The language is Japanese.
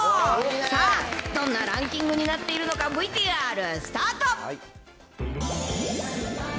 さあ、どんなランキングになっているのか、ＶＴＲスタート。